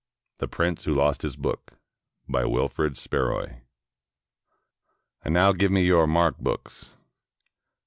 THE PRINCE WHO LOST HIS BOOK BY WILFRID SPARROY "And now give me your mark books."